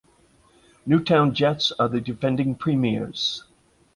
Newtown Jets are the defending premiers.